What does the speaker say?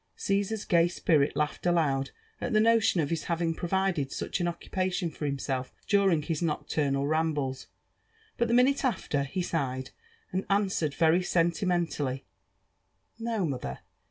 Caesar s gay spirit laughed aloud at the notion of hjs having provided iCich an occupation for himself during his nocturnal rambles; but the minute after, he sighed, and answered very sentimentally, " No, mother